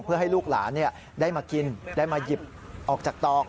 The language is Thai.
เพื่อให้ลูกหลานได้มากินได้มาหยิบออกจากตอก